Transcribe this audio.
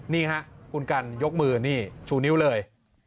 นี่ฮะคุณกันยกมือนี่ชูนิ้วเลย